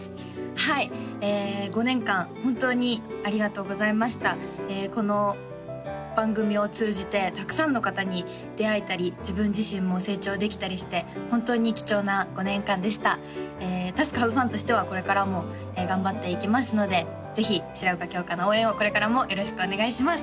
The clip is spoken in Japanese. はい５年間本当にありがとうございましたこの番組を通じてたくさんの方に出会えたり自分自身も成長できたりしてホントに貴重な５年間でしたＴａｓｋｈａｖｅＦｕｎとしてはこれからも頑張っていきますのでぜひ白岡今日花の応援をこれからもよろしくお願いします